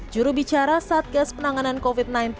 jurubicara satgas penanganan covid sembilan belas